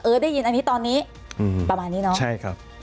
หรือได้ยินตอนนี้ประมาณนี้